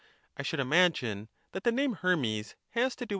I should imagine that the name Hermes has to do Hermes.